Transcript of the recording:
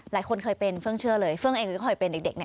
หลายคนเคยเป็นเฟื่องเชื่อเลยเฟื่องเองก็เคยเป็นเด็ก